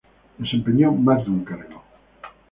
Desempeñó más de un cargo.